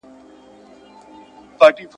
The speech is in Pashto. هر لحد يې افتخاردی `